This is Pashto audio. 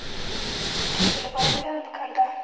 د ژبې لپاره مېړانه پکار ده.